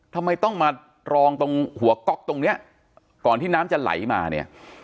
ทำไมต้องมารองตรงหัวก๊อกตรงเนี้ยก่อนที่น้ำจะไหลมาเนี่ย